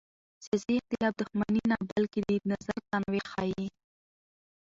سیاسي اختلاف دښمني نه بلکې د نظر تنوع ښيي